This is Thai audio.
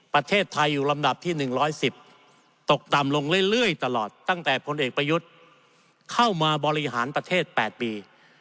ประเทศไทยอยู่ลำดับที่๑๑๐ตกต่ำลงเรื่อยตลอดตั้งแต่พลเอกประยุทธ์เข้ามาบริหารประเทศ๘ปี